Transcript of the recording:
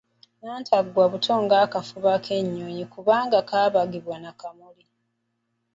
Nnantaggwa buto ng’akafuba k’ennyonyi kubanga kabaagibwa na kamuli.